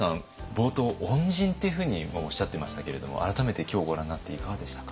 冒頭恩人っていうふうにもおっしゃってましたけれども改めて今日ご覧になっていかがでしたか？